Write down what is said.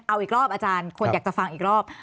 เอาอีกรอบอาจารย์คนอยากจะฟังอีกรอบ